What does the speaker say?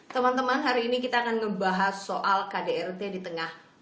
teman teman hari ini kita akan membahas soal kdrt di tengah